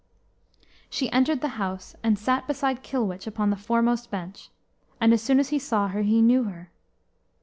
She entered the house and sat beside Kilwich upon the foremost bench; and as soon as he saw her, he knew her.